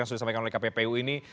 yang sudah disampaikan oleh kppu ini